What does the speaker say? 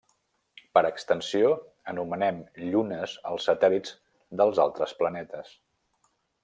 Per extensió, anomenem llunes els satèl·lits dels altres planetes.